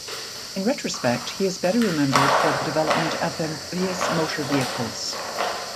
In retrospect he is better remembered for the development of amphibious motor vehicles.